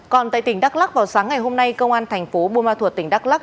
còn tại tỉnh đắk lắc vào sáng ngày hôm nay công an thành phố buôn ma thuột tỉnh đắk lắc